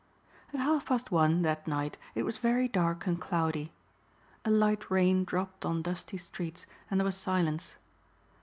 At half past one that night it was very dark and cloudy. A light rain dropped on dusty streets and there was silence.